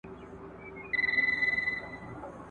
هغه کسان چي کتاب لولي د ژوند په هر ډګر کي ځان بريالی احساسوي `